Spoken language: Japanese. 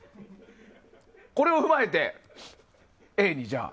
これを踏まえてＡに。